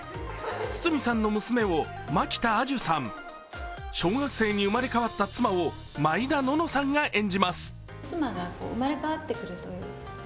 堤の娘を蒔田彩珠さん、小学生に生まれ変わった妻を毎田暖乃さんが演じます。